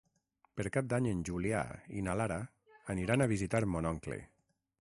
Per Cap d'Any en Julià i na Lara aniran a visitar mon oncle.